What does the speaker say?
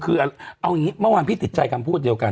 คือเอาอย่างนี้เมื่อวานพี่ติดใจคำพูดเดียวกัน